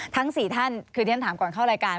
ทั้ง๔ท่านคือที่ฉันถามก่อนเข้ารายการ